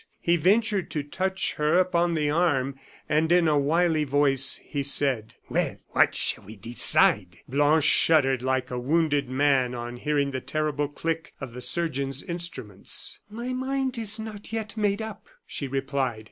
He ventured to touch her upon the arm, and, in a wily voice, he said: "Well, what shall we decide?" Blanche shuddered like a wounded man on hearing the terrible click of the surgeon's instruments. "My mind is not yet made up," she replied.